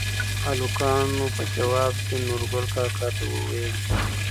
هلکانو په ځواب کې نورګل کاکا ته ووېل: